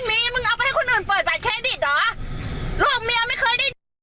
มึงเอาไปให้คนอื่นเปิดบาทแคดดหรอโรคเมียไม่เคยได้